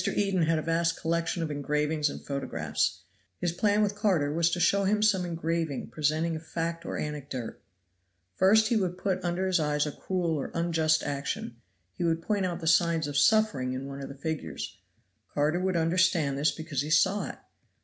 Eden had a vast collection of engravings and photographs. His plan with Carter was to show him some engraving presenting a fact or anecdote. First he would put under his eyes a cruel or unjust action. He would point out the signs of suffering in one of the figures. Carter would understand this because he saw it.